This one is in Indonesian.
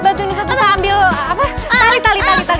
bantu nusa ambil tali tali tol